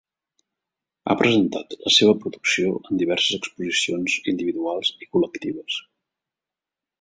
Ha presentat la seva producció en diverses exposicions individuals i col·lectives.